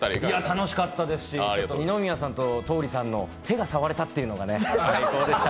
楽しかったですし二宮さんと桃李さんの手が触れたっていうのがね。